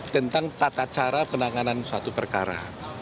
tentang tata cara penanganan suatu perkara